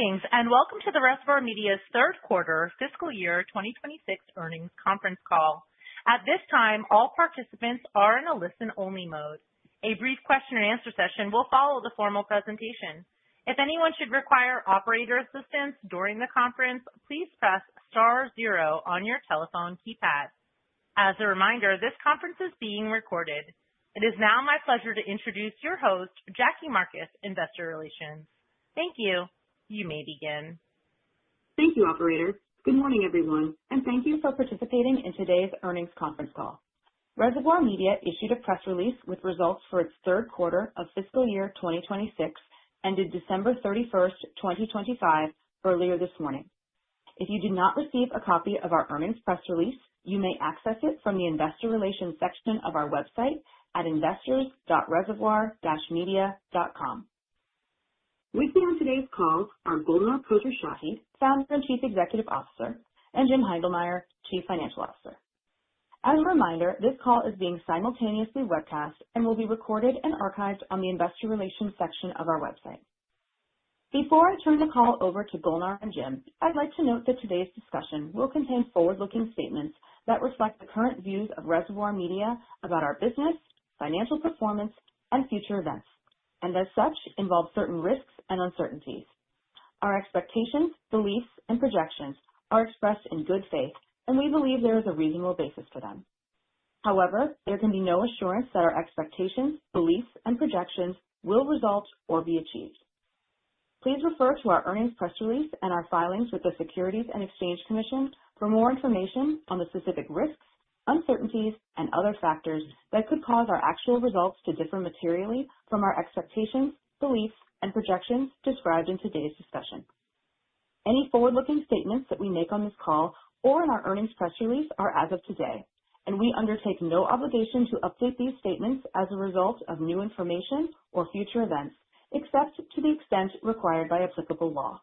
Greetings and welcome to the Reservoir Media's Third Quarter Fiscal Year 2026 Earnings Conference Call. At this time, all participants are in a listen-only mode. A brief question-and-answer session will follow the formal presentation. If anyone should require operator assistance during the conference, please press star zero on your telephone keypad. As a reminder, this conference is being recorded. It is now my pleasure to introduce your host, Jackie Marcus, Investor Relations. Thank you. You may begin. Thank you, operator. Good morning, everyone, and thank you for participating in today's earnings conference call. Reservoir Media issued a press release with results for its third quarter of fiscal year 2026 ended December 31st, 2025, earlier this morning. If you did not receive a copy of our earnings press release, you may access it from the Investor Relations section of our website at investors.reservoir-media.com. We have on today's call our Golnar Khosrowshahi, Founder and Chief Executive Officer, and Jim Heindlmeyer, Chief Financial Officer. As a reminder, this call is being simultaneously webcast and will be recorded and archived on the Investor Relations section of our website. Before I turn the call over to Golnar and Jim, I'd like to note that today's discussion will contain forward-looking statements that reflect the current views of Reservoir Media about our business, financial performance, and future events, and as such involve certain risks and uncertainties. Our expectations, beliefs, and projections are expressed in good faith, and we believe there is a reasonable basis for them. However, there can be no assurance that our expectations, beliefs, and projections will result or be achieved. Please refer to our earnings press release and our filings with the Securities and Exchange Commission for more information on the specific risks, uncertainties, and other factors that could cause our actual results to differ materially from our expectations, beliefs, and projections described in today's discussion. Any forward-looking statements that we make on this call or in our earnings press release are as of today, and we undertake no obligation to update these statements as a result of new information or future events except to the extent required by applicable law.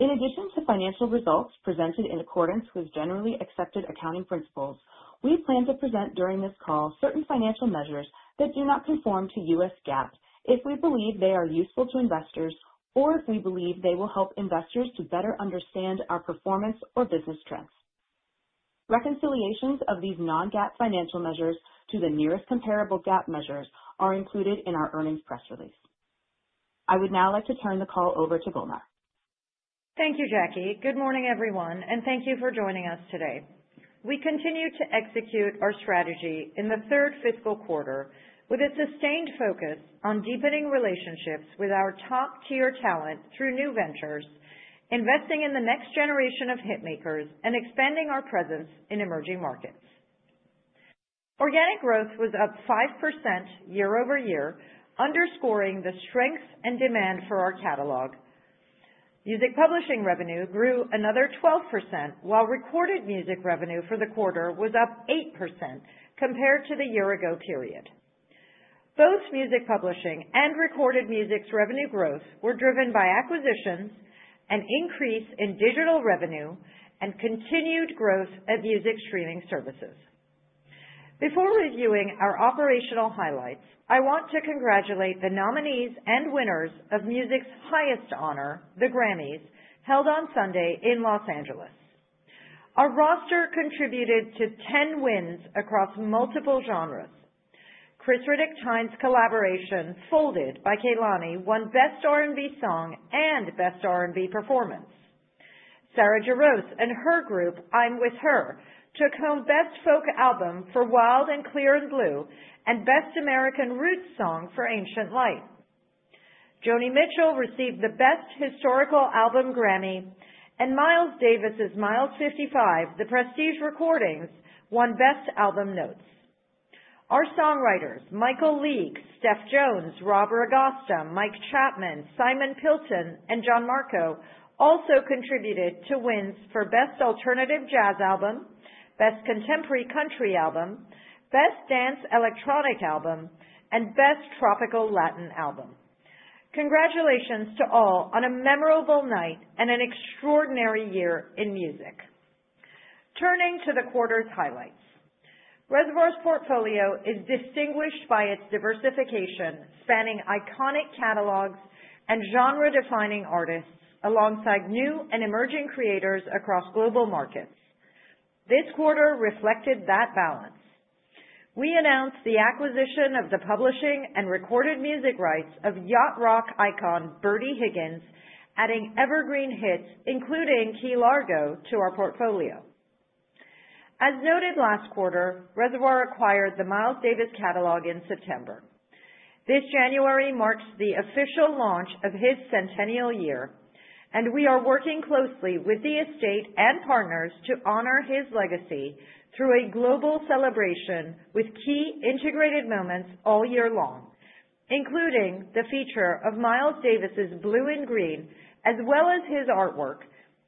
In addition to financial results presented in accordance with generally accepted accounting principles, we plan to present during this call certain financial measures that do not conform to U.S. GAAP if we believe they are useful to investors or if we believe they will help investors to better understand our performance or business trends. Reconciliations of these non-GAAP financial measures to the nearest comparable GAAP measures are included in our earnings press release. I would now like to turn the call over to Golnar. Thank you, Jackie. Good morning, everyone, and thank you for joining us today. We continue to execute our strategy in the third fiscal quarter with a sustained focus on deepening relationships with our top-tier talent through new ventures, investing in the next generation of hitmakers, and expanding our presence in emerging markets. Organic growth was up 5% year-over-year, underscoring the strength and demand for our catalog. Music publishing revenue grew another 12% while recorded music revenue for the quarter was up 8% compared to the year-ago period. Both music publishing and recorded music's revenue growth were driven by acquisitions, an increase in digital revenue, and continued growth of music streaming services. Before reviewing our operational highlights, I want to congratulate the nominees and winners of music's highest honor, the Grammys, held on Sunday in Los Angeles. Our roster contributed to 10 wins across multiple genres. Khris Riddick-Tynes's collaboration, Folded by Kehlani, won Best R&B Song and Best R&B Performance. Sarah Jarosz and her group, I'm With Her, took home Best Folk Album for Wild and Clear and Blue and Best American Roots Song for Ancient Light. Joni Mitchell received the Best Historical Album Grammy, and Miles Davis's Miles '55: The Prestige Recordings won Best Album Notes. Our songwriters, Michael League, Steph Jones, Roberto Agosta, Mike Chapman, Simon Pilton, and Gian Marco, also contributed to wins for Best Alternative Jazz Album, Best Contemporary Country Album, Best Dance/Electronic Album, and Best Tropical Latin Album. Congratulations to all on a memorable night and an extraordinary year in music. Turning to the quarter's highlights. Reservoir's portfolio is distinguished by its diversification spanning iconic catalogs and genre-defining artists alongside new and emerging creators across global markets. This quarter reflected that balance. We announced the acquisition of the publishing and recorded music rights of yacht rock icon Bertie Higgins, adding evergreen hits including Key Largo to our portfolio. As noted last quarter, Reservoir acquired the Miles Davis catalog in September. This January marks the official launch of his centennial year, and we are working closely with the estate and partners to honor his legacy through a global celebration with key integrated moments all year long, including the feature of Miles Davis's Blue in Green as well as his artwork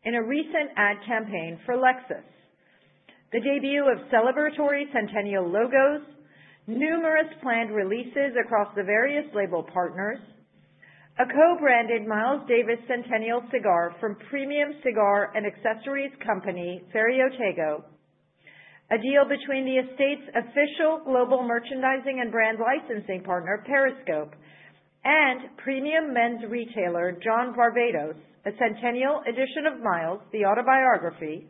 in a recent ad campaign for Lexus, the debut of celebratory centennial logos, numerous planned releases across the various label partners, a co-branded Miles Davis Centennial Cigar from Premium Cigar and Accessories Company Ferio Tego, a deal between the estate's official global merchandising and brand licensing partner, Perryscope Productions, and premium men's retailer, John Varvatos, a centennial edition of Miles, the autobiography,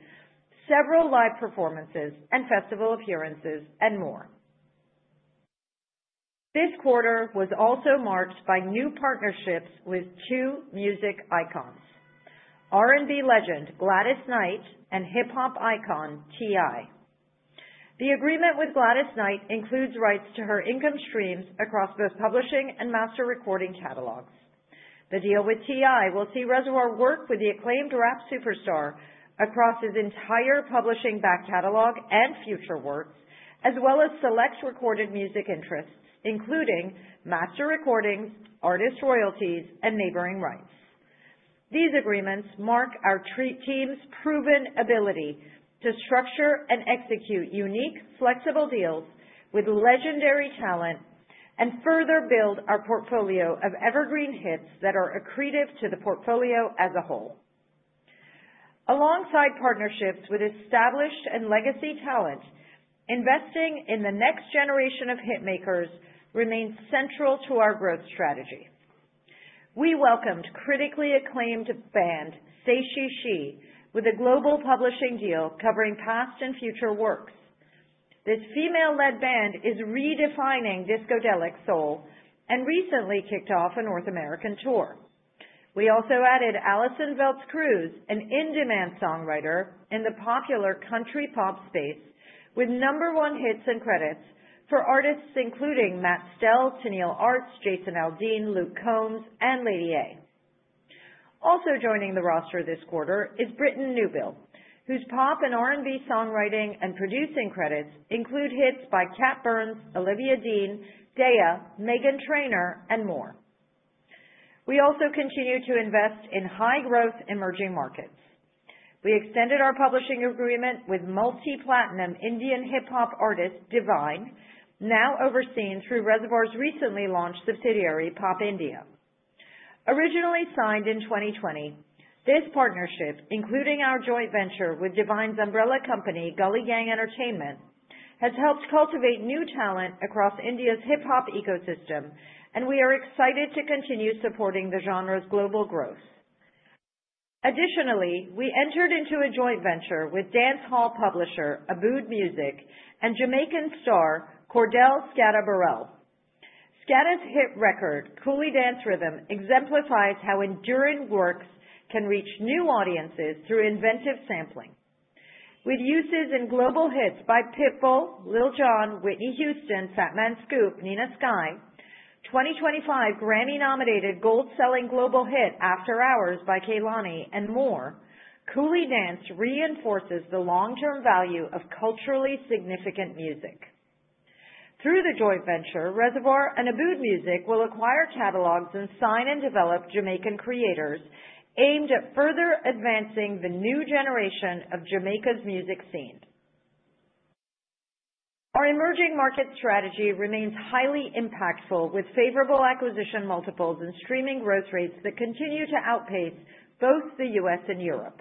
several live performances and festival appearances, and more. This quarter was also marked by new partnerships with two music icons: R&B legend Gladys Knight and hip-hop icon T.I. The agreement with Gladys Knight includes rights to her income streams across both publishing and master recording catalogs. The deal with T.I. will see Reservoir work with the acclaimed rap superstar across his entire publishing back catalog and future works, as well as select recorded music interests, including master recordings, artist royalties, and neighboring rights. These agreements mark our team's proven ability to structure and execute unique, flexible deals with legendary talent and further build our portfolio of evergreen hits that are accretive to the portfolio as a whole. Alongside partnerships with established and legacy talent, investing in the next generation of hitmakers remains central to our growth strategy. We welcomed critically acclaimed band Say She She with a global publishing deal covering past and future works. This female-led band is redefining discodelic soul and recently kicked off a North American tour. We also added Allison Veltz Cruz, an in-demand songwriter in the popular country pop space with number one hits and credits for artists including Matt Stell, Tenille Arts, Jason Aldean, Luke Combs, and Lady A. Also joining the roster this quarter is Britten Newbill, whose pop and R&B songwriting and producing credits include hits by Cat Burns, Olivia Dean, Daya, Meghan Trainor, and more. We also continue to invest in high-growth emerging markets. We extended our publishing agreement with multi-platinum Indian hip-hop artist Divine, now overseen through Reservoir's recently launched subsidiary, Pop India. Originally signed in 2020, this partnership, including our joint venture with Divine's umbrella company, Gully Gang Entertainment, has helped cultivate new talent across India's hip-hop ecosystem, and we are excited to continue supporting the genre's global growth. Additionally, we entered into a joint venture with dancehall publisher Abood Music and Jamaican star Cordel Burrell. Skatta's hit record, Coolie Dance Riddim, exemplifies how enduring works can reach new audiences through inventive sampling. With uses in global hits by Pitbull, Lil Jon, Whitney Houston, Fatman Scoop, Nina Sky, 2025 Grammy-nominated gold-selling global hit After Hours by Kehlani, and more, Coolie Dance Riddim reinforces the long-term value of culturally significant music. Through the joint venture, Reservoir and Abood Music will acquire catalogs and sign and develop Jamaican creators aimed at further advancing the new generation of Jamaica's music scene. Our emerging market strategy remains highly impactful with favorable acquisition multiples and streaming growth rates that continue to outpace both the US and Europe.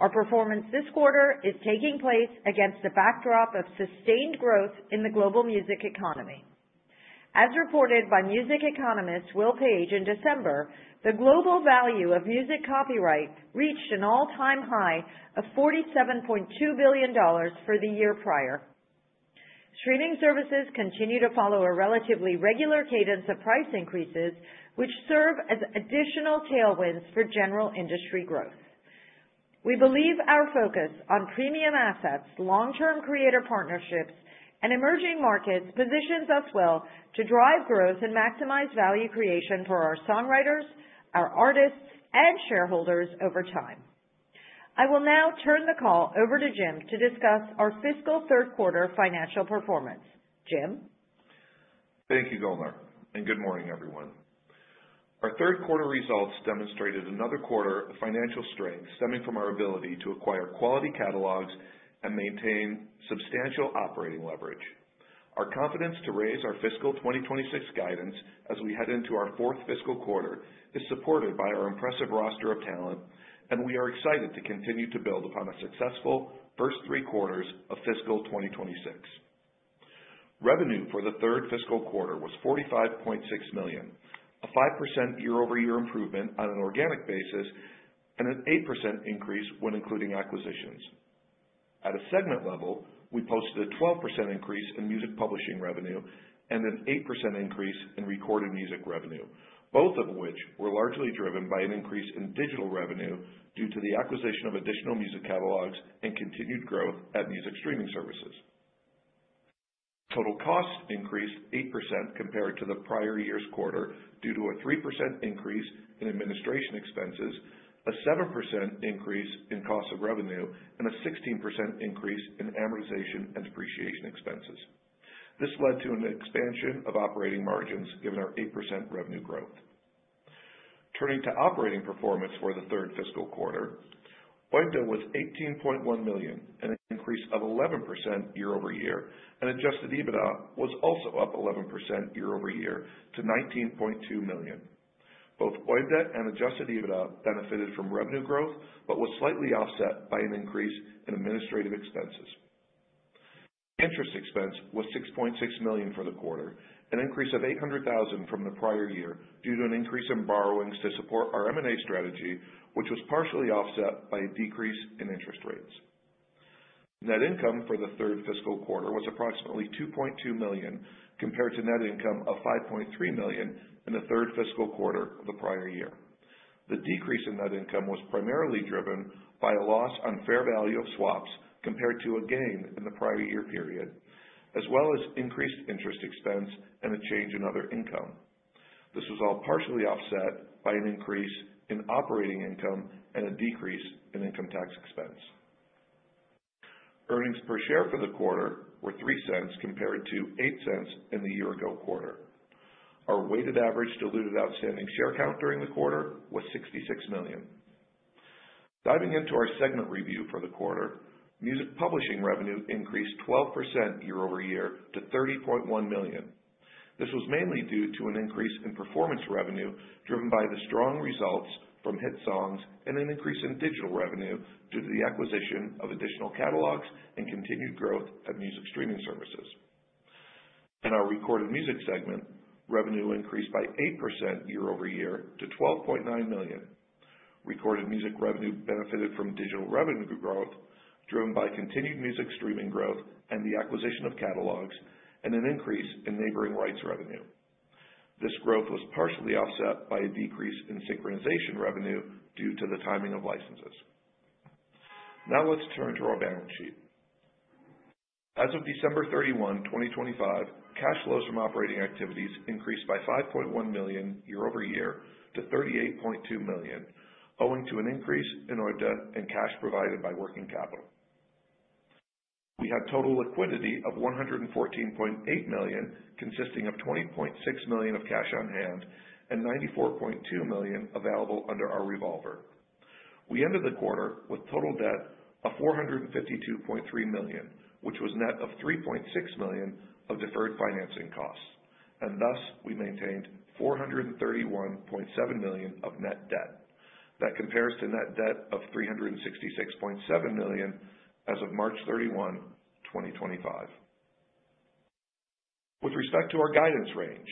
Our performance this quarter is taking place against a backdrop of sustained growth in the global music economy. As reported by music economist Will Page in December, the global value of music copyright reached an all-time high of $47.2 billion for the year prior. Streaming services continue to follow a relatively regular cadence of price increases, which serve as additional tailwinds for general industry growth. We believe our focus on premium assets, long-term creator partnerships, and emerging markets positions us well to drive growth and maximize value creation for our songwriters, our artists, and shareholders over time. I will now turn the call over to Jim to discuss our fiscal third quarter financial performance. Jim? Thank you, Golnar, and good morning, everyone. Our third quarter results demonstrated another quarter of financial strength stemming from our ability to acquire quality catalogs and maintain substantial operating leverage. Our confidence to raise our fiscal 2026 guidance as we head into our fourth fiscal quarter is supported by our impressive roster of talent, and we are excited to continue to build upon a successful first three quarters of fiscal 2026. Revenue for the third fiscal quarter was $45.6 million, a 5% year-over-year improvement on an organic basis and an 8% increase when including acquisitions. At a segment level, we posted a 12% increase in music publishing revenue and an 8% increase in recorded music revenue, both of which were largely driven by an increase in digital revenue due to the acquisition of additional music catalogs and continued growth at music streaming services. Total costs increased 8% compared to the prior year's quarter due to a 3% increase in administration expenses, a 7% increase in cost of revenue, and a 16% increase in amortization and depreciation expenses. This led to an expansion of operating margins given our 8% revenue growth. Turning to operating performance for the third fiscal quarter, OIBDA was $18.1 million, an increase of 11% year-over-year, and adjusted EBITDA was also up 11% year-over-year to $19.2 million. Both OIBDA and adjusted EBITDA benefited from revenue growth but were slightly offset by an increase in administrative expenses. Interest expense was $6.6 million for the quarter, an increase of $800,000 from the prior year due to an increase in borrowings to support our M&A strategy, which was partially offset by a decrease in interest rates. Net income for the third fiscal quarter was approximately $2.2 million compared to net income of $5.3 million in the third fiscal quarter of the prior year. The decrease in net income was primarily driven by a loss on fair value of swaps compared to a gain in the prior year period, as well as increased interest expense and a change in other income. This was all partially offset by an increase in operating income and a decrease in income tax expense. Earnings per share for the quarter were $0.03 compared to $0.08 in the year-ago quarter. Our weighted average diluted outstanding share count during the quarter was 66 million. Diving into our segment review for the quarter, music publishing revenue increased 12% year-over-year to $30.1 million. This was mainly due to an increase in performance revenue driven by the strong results from hit songs and an increase in digital revenue due to the acquisition of additional catalogs and continued growth at music streaming services. In our recorded music segment, revenue increased by 8% year-over-year to $12.9 million. Recorded music revenue benefited from digital revenue growth driven by continued music streaming growth and the acquisition of catalogs and an increase in neighboring rights revenue. This growth was partially offset by a decrease in synchronization revenue due to the timing of licenses. Now let's turn to our balance sheet. As of December 31, 2025, cash flows from operating activities increased by $5.1 million year-over-year to $38.2 million, owing to an increase in OIBDA and cash provided by working capital. We had total liquidity of $114.8 million, consisting of $20.6 million of cash on hand and $94.2 million available under our revolver. We ended the quarter with total debt of $452.3 million, which was net of $3.6 million of deferred financing costs, and thus we maintained $431.7 million of net debt. That compares to net debt of $366.7 million as of March 31, 2025. With respect to our guidance range,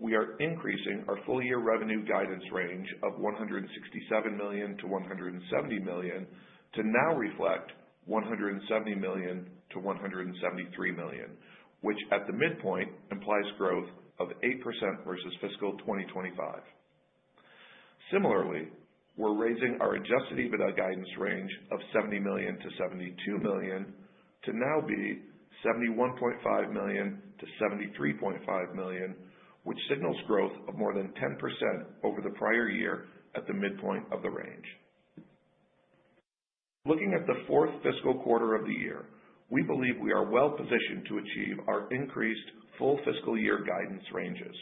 we are increasing our full-year revenue guidance range of $167 million-$170 million to now reflect $170 million-$173 million, which at the midpoint implies growth of 8% versus fiscal 2025. Similarly, we're raising our Adjusted EBITDA guidance range of $70 million-$72 million to now be $71.5 million-$73.5 million, which signals growth of more than 10% over the prior year at the midpoint of the range. Looking at the fourth fiscal quarter of the year, we believe we are well positioned to achieve our increased full fiscal year guidance ranges.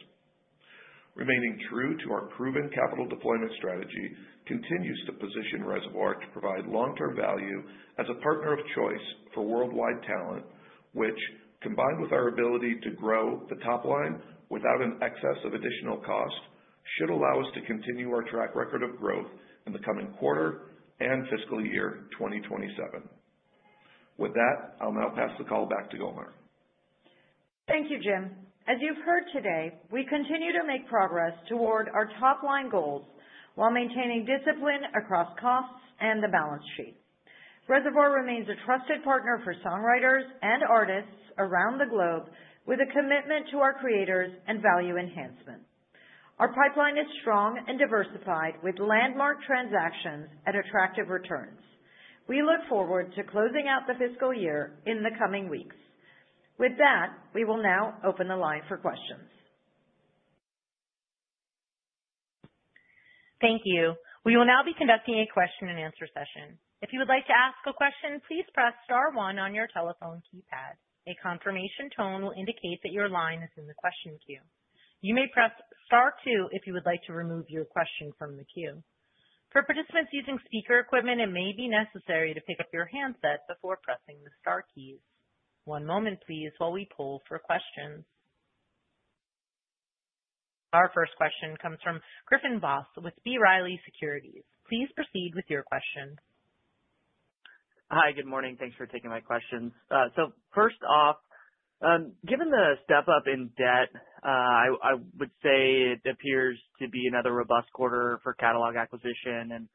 Remaining true to our proven capital deployment strategy continues to position Reservoir to provide long-term value as a partner of choice for worldwide talent, which, combined with our ability to grow the top line without an excess of additional cost, should allow us to continue our track record of growth in the coming quarter and fiscal year 2027. With that, I'll now pass the call back to Golnar. Thank you, Jim. As you've heard today, we continue to make progress toward our top line goals while maintaining discipline across costs and the balance sheet. Reservoir remains a trusted partner for songwriters and artists around the globe with a commitment to our creators and value enhancement. Our pipeline is strong and diversified with landmark transactions at attractive returns. We look forward to closing out the fiscal year in the coming weeks. With that, we will now open the line for questions. Thank you. We will now be conducting a question-and-answer session. If you would like to ask a question, please press star one on your telephone keypad. A confirmation tone will indicate that your line is in the question queue. You may press star two if you would like to remove your question from the queue. For participants using speaker equipment, it may be necessary to pick up your handset before pressing the star keys. One moment, please, while we pull for questions. Our first question comes from Griffin Boss with B. Riley Securities. Please proceed with your question. Hi. Good morning. Thanks for taking my questions. So first off, given the step-up in debt, I would say it appears to be another robust quarter for catalog acquisition, and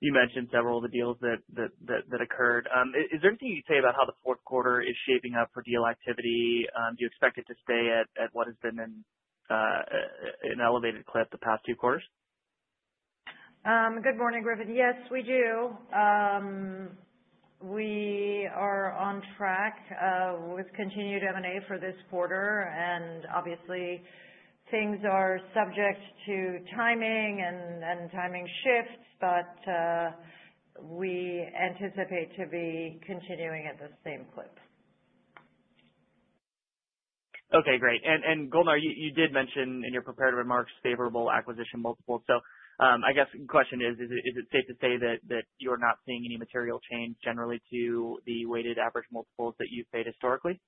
you mentioned several of the deals that occurred. Is there anything you'd say about how the fourth quarter is shaping up for deal activity? Do you expect it to stay at what has been an elevated clip the past two quarters? Good morning, Griffin. Yes, we do. We are on track with continued M&A for this quarter, and obviously, things are subject to timing and timing shifts, but we anticipate to be continuing at the same clip. Okay. Great. Golnar, you did mention in your preparatory remarks favorable acquisition multiples. So I guess the question is, is it safe to say that you're not seeing any material change generally to the weighted average multiples that you've paid historically?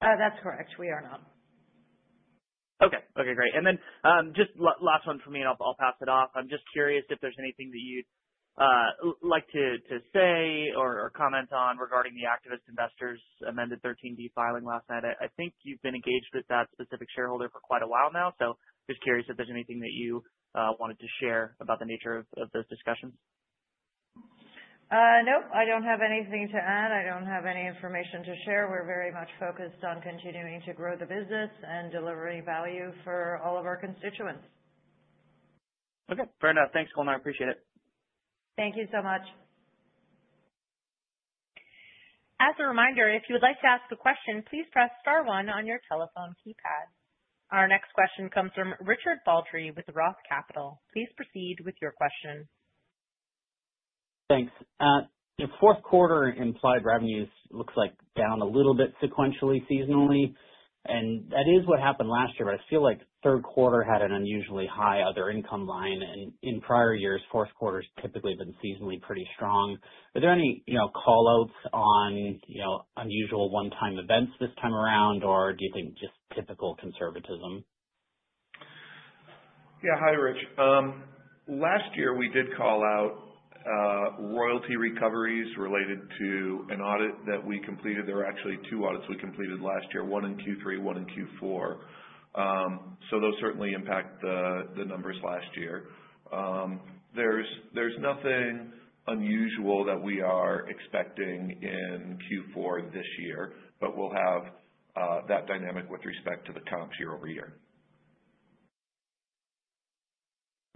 That's correct. We are not. Okay. Okay. Great. And then just last one from me, and I'll pass it off. I'm just curious if there's anything that you'd like to say or comment on regarding the activist investors' amended 13(d) filing last night. I think you've been engaged with that specific shareholder for quite a while now, so just curious if there's anything that you wanted to share about the nature of those discussions. Nope. I don't have anything to add. I don't have any information to share. We're very much focused on continuing to grow the business and delivering value for all of our constituents. Okay. Fair enough. Thanks, Golnar. I appreciate it. Thank you so much. As a reminder, if you would like to ask a question, please press star one on your telephone keypad. Our next question comes from Richard Baldry with Roth Capital. Please proceed with your question. Thanks. Fourth quarter implied revenues looks like down a little bit sequentially, seasonally, and that is what happened last year, but I feel like third quarter had an unusually high other income line. In prior years, fourth quarter's typically been seasonally pretty strong. Are there any callouts on unusual one-time events this time around, or do you think just typical conservatism? Yeah. Hi, Rich. Last year, we did call out royalty recoveries related to an audit that we completed. There were actually two audits we completed last year, one in Q3, one in Q4. So those certainly impact the numbers last year. There's nothing unusual that we are expecting in Q4 this year, but we'll have that dynamic with respect to the comps year-over-year.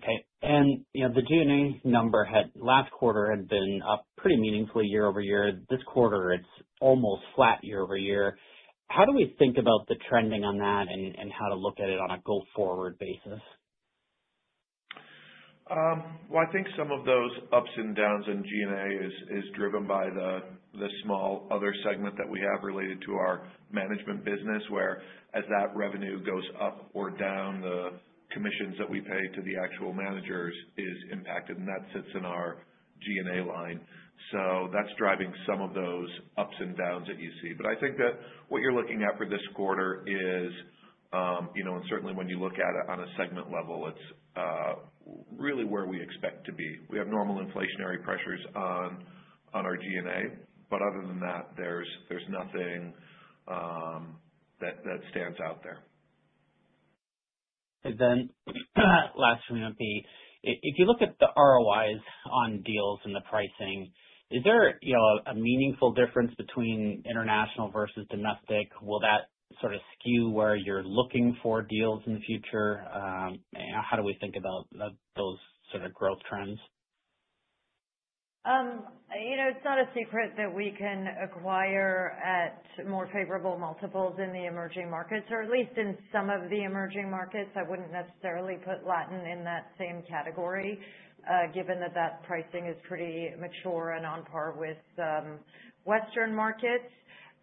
Okay. The G&A number last quarter had been up pretty meaningfully year-over-year. This quarter, it's almost flat year-over-year. How do we think about the trending on that and how to look at it on a go-forward basis? Well, I think some of those ups and downs in G&A is driven by the small other segment that we have related to our management business where, as that revenue goes up or down, the commissions that we pay to the actual managers is impacted, and that sits in our G&A line. That's driving some of those ups and downs that you see. I think that what you're looking at for this quarter is, and certainly when you look at it on a segment level, it's really where we expect to be. We have normal inflationary pressures on our G&A, but other than that, there's nothing that stands out there. And then last from you, me, tell us, if you look at the ROIs on deals and the pricing, is there a meaningful difference between international versus domestic? Will that sort of skew where you're looking for deals in the future? How do we think about those sort of growth trends? It's not a secret that we can acquire at more favorable multiples in the emerging markets, or at least in some of the emerging markets. I wouldn't necessarily put Latin in that same category given that that pricing is pretty mature and on par with Western markets.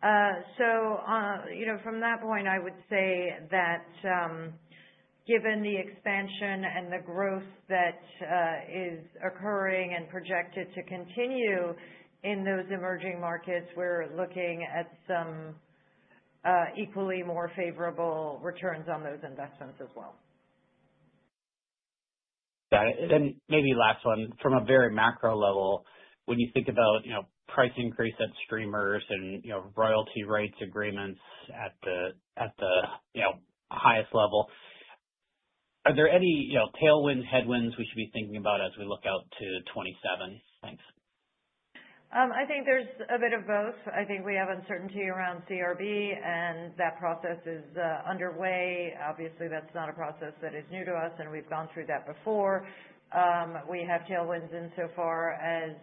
From that point, I would say that given the expansion and the growth that is occurring and projected to continue in those emerging markets, we're looking at some equally more favorable returns on those investments as well. Got it. And then maybe last one. From a very macro level, when you think about price increase at streamers and royalty rights agreements at the highest level, are there any tailwinds, headwinds we should be thinking about as we look out to 2027? Thanks. I think there's a bit of both. I think we have uncertainty around CRB, and that process is underway. Obviously, that's not a process that is new to us, and we've gone through that before. We have tailwinds in so far as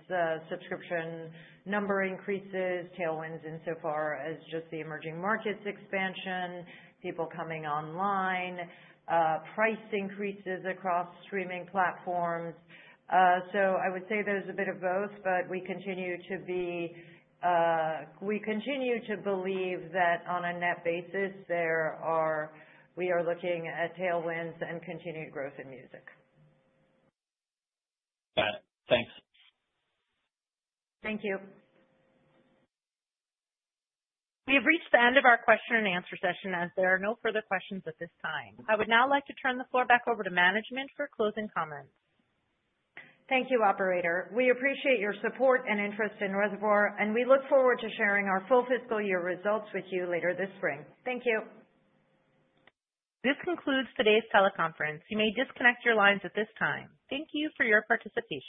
subscription number increases, tailwinds in so far as just the emerging markets expansion, people coming online, price increases across streaming platforms. So I would say there's a bit of both, but we continue to believe that on a net basis, we are looking at tailwinds and continued growth in music. Got it. Thanks. Thank you. We have reached the end of our question-and-answer session, as there are no further questions at this time. I would now like to turn the floor back over to management for closing comments. Thank you, operator. We appreciate your support and interest in Reservoir, and we look forward to sharing our full fiscal year results with you later this spring. Thank you. This concludes today's teleconference. You may disconnect your lines at this time. Thank you for your participation.